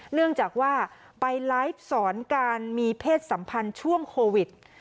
เนื่องจากว่าไปไลฟ์สอนการมีเพศสัมพันธ์ช่วงโควิด